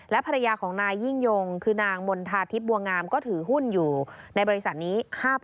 ภรรยาของนายยิ่งยงคือนางมณฑาทิพย์บัวงามก็ถือหุ้นอยู่ในบริษัทนี้๕